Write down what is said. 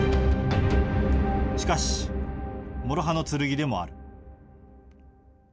しかし、もろ刃の剣でもある。